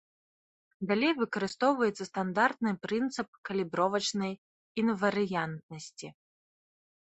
Далей выкарыстоўваецца стандартны прынцып калібровачнай інварыянтнасці.